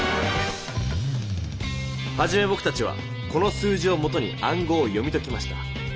はじめぼくたちはこの数字をもとにあんごうを読みときました。